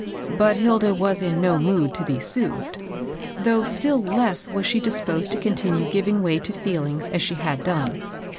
But Hilda was in no mood to be soothed ; though still less was she dis posed to continue giving way to feeling as she had done.